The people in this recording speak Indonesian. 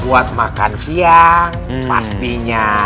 buat makan siang pastinya